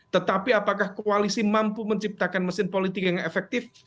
tetapi apakah koalisi mampu menciptakan mesin politik yang efektif